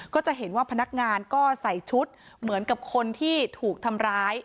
ก็จะเห็นว่าพนักงานก็ใส่ชุดเหมือนกับคนที่ถูกทำร้าย